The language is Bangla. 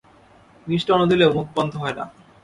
মিষ্টান্ন দিলেও মুখ বন্ধ হয় না।